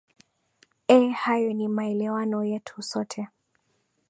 e hayo ni maelewano yetu sote